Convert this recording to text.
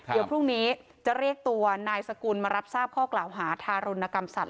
เดี๋ยวพรุ่งนี้จะเรียกตัวนายสกุลมารับทราบข้อกล่าวหาทารุณกรรมสัตว